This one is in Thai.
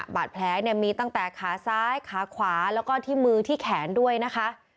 บาดแผลเนี่ยมีตั้งแต่ขาซ้ายขาขวาแล้วก็ที่มือที่แขนด้วยนะคะ